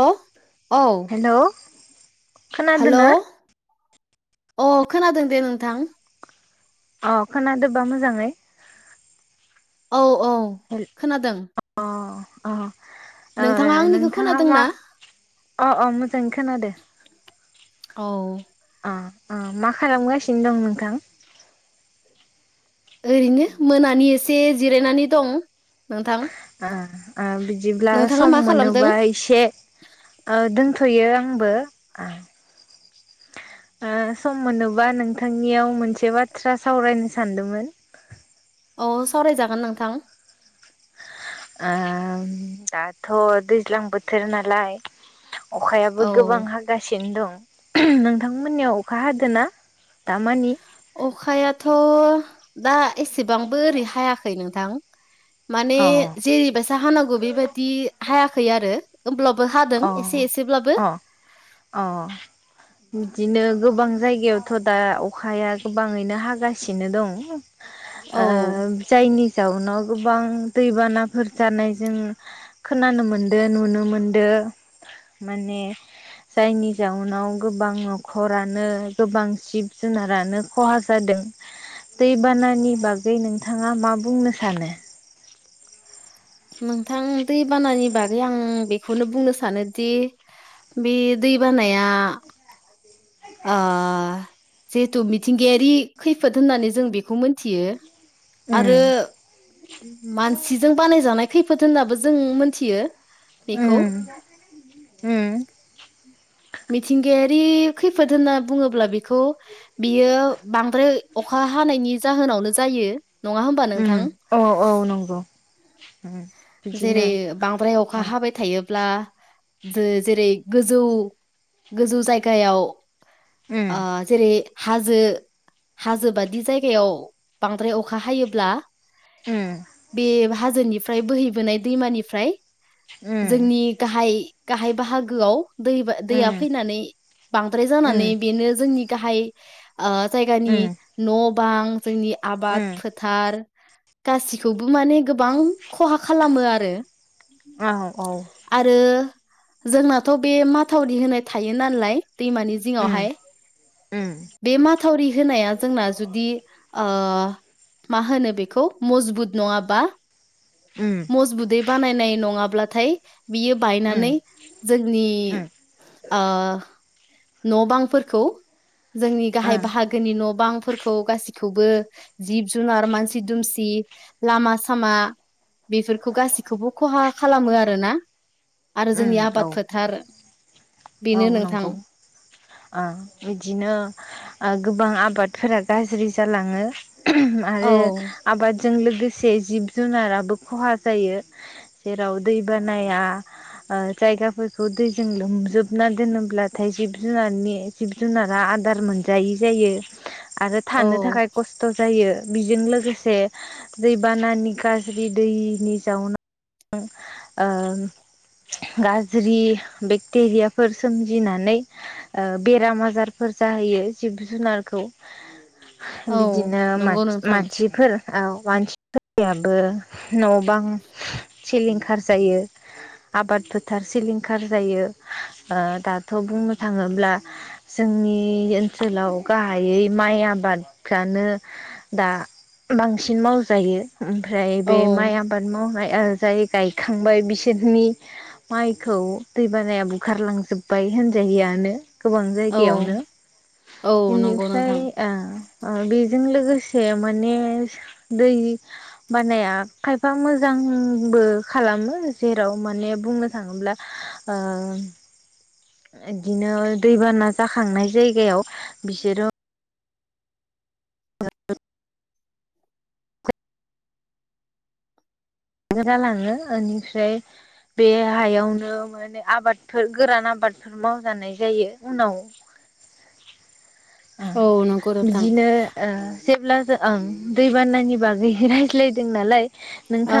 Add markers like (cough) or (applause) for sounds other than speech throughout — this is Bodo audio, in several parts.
अ औ हेल' खोनादोंना? अ खोनादों दे नोंथां अ खोनादोबा मोजाङै औ औ हेल खोनादों अ अ ओ नोंथाङा आंनिखौ नोंथाङा खोनादोंना मा अ अ मोजाङै खोनादो औ ओम मा खालामगासिनो दं नोंथां ओरैनो मोनानि एसे जिरायनानै दं नोंथां ओ ओ बिदिब्ला नोंथाङा सम मा खालामदों मोनोबा एसे ओ द (unintelligible) थ'यो आंबो ओ सम मोनोबा नोंथांनियाव मोनसे बाथ्रा सावरायनो सानदोंमोन औ सावरायजागोन नोंथां ओ दाथ' दैज्लां बोथोर नालाय अखायाबो औ गोबां हागासिनो दं नोंथांमोननियाव अखा हादों ना? अखायाथ' दा एसेबांबो ओरै हायाखै नों थां माने अ जेरैबासो हानांगौ बेबायदि हायाखै आरो होमब्लाबो हादों अ एसे एसेब्लाबो अ अ बिदिनो गोबां जायगायावथ' दा अखाया गोबाङैनो हागासिनो दं ओ औ जायनि जाउनाव गोबां दैबानाफोर जानाय जों खोनानो मोनदों नुनो मोनदों माने जायनि जाउनाव गोबां न'खरानो गोबां जिब-जुनारानो ख'हा जादों (inaudible) दैबानानि बागै नोंथाङा मा बुंनो सानो? नोंथां दैबानानि बागै आं बेखौनो बुंनो सानोदि बे दै बानाया आ जिहेथु मिथिंगायारि खैफोद होननानै जों बेखौ मिथियो उम आरो मानसिजों बानायजानाय खैफोद होननाबो जों मोनथियो बेखौ ओम ओम मिथिंगायारि खैफोद होनना बुङोब्ला बेखौ बियो बांद्राय अखा हानायनि जाहोनावनो जायो नङा होमबा उम नोंथां? औ औ नंगौ उम बिदिनो जेरै बांद्राय अखा उम हाबाय थायो ब्ला जो जेरै गोजौ गोजौ जायगायाव उम आ जेरै हाजो हाजो बायदि जायगायाव बांद्राय अखा हायोब्ला उम बे हाजोनिफ्राय बोहैबोनाय दैमानिफ्राय उम जोंनि गाहाय गाहाय बाहागोयाव दै दैया उम फैनानै बांद्राय उम जानानै बेनो जोंनि गाहाय ओ जायगानि उम न' बां जोंनि आबाद उम फोथार गासिखौबो माने गोबां खहा खालामो आरो औ औ आरो जोंनाथ' बे माथावरि होनाय थायो नालाय दैमानि उम जिङावहाय उम बे माथावरि होनाया जोंना जुदि ओ मा होनो बेखौ मजबुत नङाबा उम मजबुतै बानायनाय नङाब्लाथाय बियो बायनानै उम जोंनि उम ओ न' बांफोरखौ जोंनि गाहाय ओ बाहागोनि न' बांफोरखौ गासिखौबो जिब जुनार मानसि दुमसि लामा सामा बेफोरखौ गासिखौबो खहा खालामो आरोना आरो उम जोंनि औ आबाद फोथार औ बेनो नोंथां नंगौ ओ बिदिनो ओ गोबां आबादफोरा गाज्रि जालाङो औ आरो आबाद जों लोगोसे जिब जुनाराबो खहा जायो जेराव दै बानाया ओ जायगाफोरखौ दैजों लोमजोबना दोनोब्लाथाय जिब जुनारनि जिब जुनारा आदार मोनजायै जायो आरो थानो औ थाखाय खस्थ' जायो बेजों लोगोसे दैबानानि गाज्रि दैनि गोजावना ओम ओ गाज्रि बेक्टेरियाफोर सोमजिनानै ओ बेराम आजारफोर जाहोयो जिब जुनारखौ औ बिदिनो नंगौ नोंथां मान-मानसिफोर ओ मानसि फोरनियाबो न' बां सिलिंखार जायो आबाद फोथार सिलिंखार जायो ओ दाथ' बुंनो थाङोब्ला (inaudible) जोंनि ओनसोलाव गाहायै माइ आबादफ्रानो दा बांसिन मावजायो ओमफ्राय औ बे माइ आबाद मावनाय ओ जाय गायखांबाय बिसोरनि माइखौ दैबानाया बुखारलांजोब्बाय होनजायोआनो गोबां औ जायगायावनो औ नंगौ बेनिफ्राय नोंथां आ ओ बेजों लोगोसे माने दै बानाया खायफा मोजां बो खालामो जेराव माने बुंनो थाङोब्ला ओ (inaudible) इदिनो दैबाना जाखांनाय जायगायाव बिसोरो (unintelligible) (unintelligible) ओनफ्राय बे हायावनो माने आबादफोर गोरान आबादफोर मावजानाय जायो उनाव (unintelligible) ओ औ नंगौ नोंथां बिदिनो ओ जेब्ला ओं दैबानानि बागैबो रायज्लायदों नालाय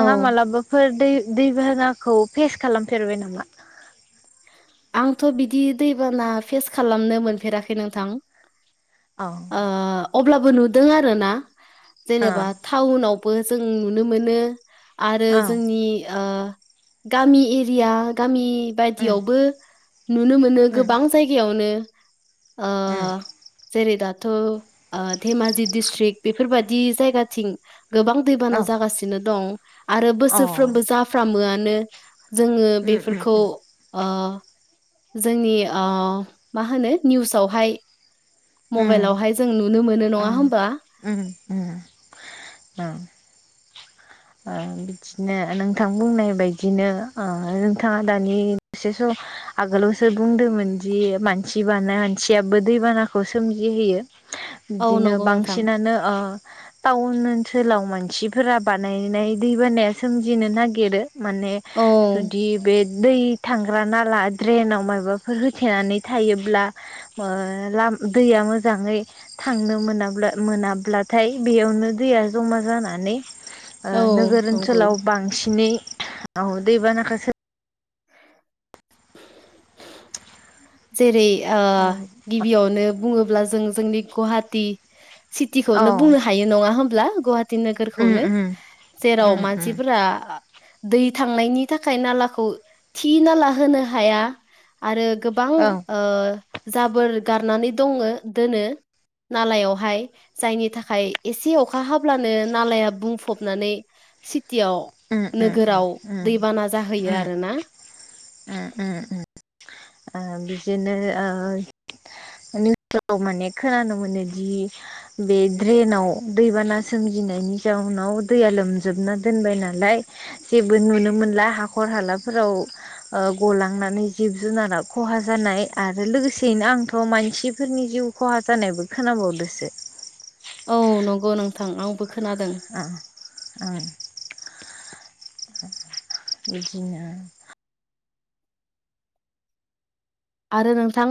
औ मालाबाफोर दै दैबानाखौ फेस खालामफेरबाय नामा आंथ' बिदि दैबाना फेस खालामनो मोनफेराखै नोंथां औ ओ अब्लाबो नुदों आरोना जेनेबा टाउनावबो जों नुनो मोनो आरो औ जोंनि ओ गामि एरिया गामि बायदियावबो नुनो मोनो गोबां जायगायावनो आ जेरै दा थ' ओ धेमाजि दिस्ट्रिक् बेफोरबादि जायगाथिं गोबां दैबाना जागासिनो दं आरो औ बोसोरफ्रोमबो जाफ्रामोआनो जोङो उम बेफोरखौ उम ओ जोंनि ओ मा होनो निउसआवहाय उम मबाइलावहाय जों नुनो मोनो औ अ नङा होमबा उम मा। ओ बिदिनो नोंथां बुंनाय बायदिनो ओ नोंथाङा दानि एसेस'। आगोलावसो बुंदोंमोन दि मानसि बानाया मानसियाबो दैबानाखौ सोमजिहोयो। औ बिदिनो नंगौ नोंथां बांसिनानो ओ। टाउन ओनसोलाव मानसिफोरा बानायनाय दै बानाया सोमजिनो नागिरो। माने औ जुलि बेद। दै थांग्रा नाला द्रेनाव मायबाफोर होथेनानै थायोब्ला ओ लाम। दैया मोजाङै थांनो मोनाब्ला मोनाब्लाथाय बेयावनो दैया जमा जाना। नानै ओ औ नोगोर नंगौ ओनसोलाव बांसिनै आव दैबानाखो सो। जेरै ओ गिबियावनो बुङोब्ला जों जोंनि गुहाटी। औ सिटिखौनो बुंनो हायो नङा होमब्ला गुवाहाटी उम नोगोरखौनो। उम जेराव उम उम मानसिफोरा ओ। दै थांनायनि थाखाय नालाखौ थि नाला होनो हाया आरो। गोबां औ ओ जाबोर गारनानै दङो दोनो। नालायावहाय जायनि थाखाय एसे अखा हाब्लानो नालाया बुंफबनानै सिद। टियाव उम उम उम नोगोराव उम दैबाना जाहैयो आरो ना। ओम ओम ओम ओ बिदिनो ओ। (unintelligible) माने खोनानो मोनोदि बे ड्रेनाव दैबाना सोमजि। गिनायनि जाउनाव दैया लोमोबना दोन नालाय जेबो नुनो मोनला हाखर हाला। फोराव ओ गलांनानै जिब जुनाराव। खहा जानाय आरो लोगोसेयैनो आंथ' मानसिफोरनि जिउ खहा जानायबो खोनाबावदोसो। औ नंगौ नोंथां आंबो। खोनादों आ ओ। बिदिनो। आरो नोंथां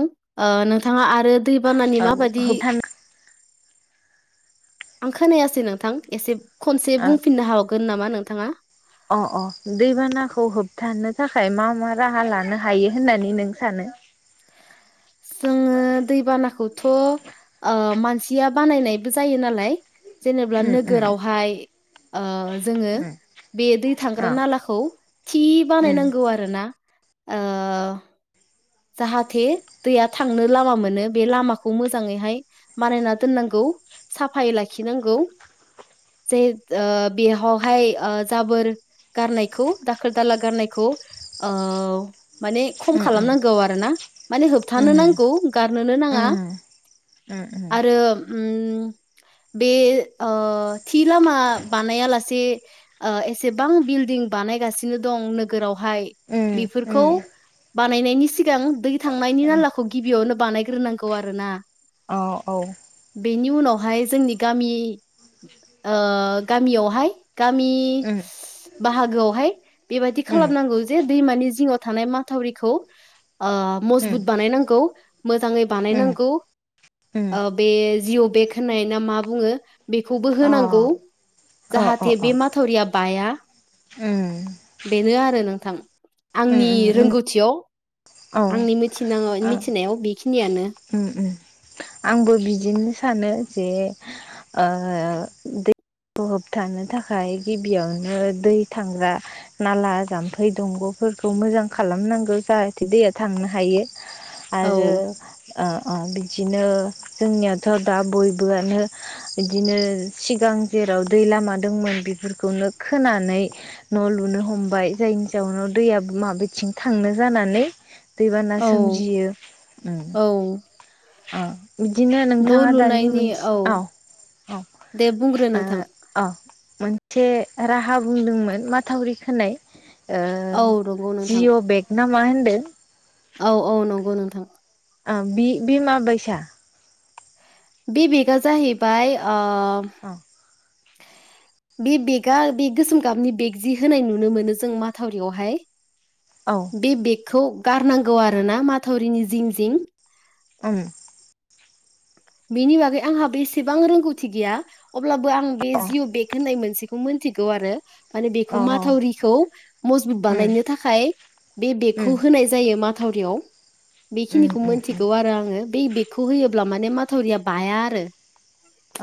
ओ नोंथाङा आरो दै बानानि औ माबादि। होबथानो आं खोनायासै नोंथां एसेब। ओ अ अ दैबानाखौ होबथानो थाख। थाखाय मा मा राहा लानो हायो होननानै नों सानो। जोङो। ओ दै बानाखौथ' ओ मानसिया बानायनायबो जायो नालाय। जेनेब्ला उम उम नोगोरावहाय ओ जोङो। उम बे दै थांग्रा औ नालाखौ थि बानायनांगौ आरो ना। ओ। जाहाथे दैया थांनो लामा मोनो बे लामाखौ मोजाङैहाय मानायना दोननांगौ। साफायै लाखिनांगौ। जे ओ बेहावहाय ओ जाबोर। गारनायखौ दाखोर दाला गारनायखौ ओमाने खम खालामनांगौ। गौ आरोना आरो होबथानो नांगौ गारनोनो नाङा आरो। ओम बे थि लामा बानायालासे। ओ एसेबां बिल्डिं बानायगासिनो दं नोगोराव। हाय बिफोरखौ बानायनायनि सिगां दै थांनायनि नालाखौ गिबियावनो। बानायग्रोनांगौ आरो ना। अहऔ। बेनि उनावहाय जोंनि गामि ओ गामियावहाय गामि बाहागोआवहाय बेबादि खालामनांगौ जे दैमा गेजे जिंङाव थानाय माथोवरिखौ ओ मजबुत बानायनांगौ मोजाङै बानायनांगौ ओ बे जिउ बे खोनाय ना मा बुङो बेखौबो अ होनांगौ अ अ जाहाथे अ बे माथोवरिया बाया बेनो आरो नोंथां उम आंनि रोंगौथियाव उम औ आंनि मिथिनाङाव मिथिनायाव बिखिनियानो ओम ओम आंबो बिदिनो सानो ओ जे ओ होबथानो थाखाय गिबियावनो दै थांग्रा नाला जाम्फै दंग' फोरखौ मोजां खालामनांगौ जाहाथे दैया थांनो हायो औ आरो ओ अ बिदिनो जोंनियाथ' दा बयबोआनो बिदिनो सिगां जेराव दै लामा दोंमोन बिफोर खौनो खोनानै न' लुनो हमबाय जायनि जाउनाव दैया माबेथिं थांनो जानानै दैबाना औ सोमजियो ओम औ ओ बिदिनो न' नोंथाङा दानि लुनायनि मोनस औ औ दे बुंग्रो ओ नोंथां अ मोनसे राहा बुंदोंमोन माथावरि खोनाय ओ औ नंगौ नोंथां जिअ' बेग ना मा होनदों औ औ नंगौ नोंथां ओं बि बि मा बायसा? बि बेकआ जाहैबाय ओ औ बि बेगा बि गोसोम गाबनि बेग जि होनाय नुनो मोनो जों माथोवरियावहाय औ बि बेगखौ गारनांगौ आरोना माथावरिनि जिं जिं ओम बिनि बागै आंहा बेसेबां रोंगौथि गैया अब्लाबो आं बे जिअ' बेग होननाय मोनसे मोनथिगौ आरो माने अ बेखौ उम माथावरिखौ मजबुत बानायनो थाखाय बे बेगखौ उम होनाय जायो मा थावरियाव उम बेखिनिखौ उम उम मोनथिगौ आरो आङो बै बेगखौ होयोब्ला माने मा थावरिया बाया आरो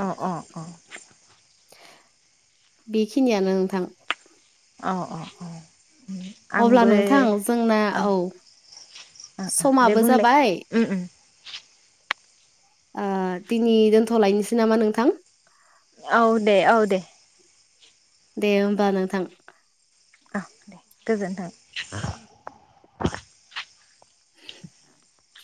औ अ अ बेखिनियानो नोंथां औ अ अ अब्ला आंबो नोंथां जोंना औ ओ ओ दे समाबो बुंलाय जाबाय ओम ओम ओ दिनि दोनथ'लायनोसै नामा नोंथां औ दे औ दे ‌ दे ओमबा नोंथां औ गोजोनथों (inaudible)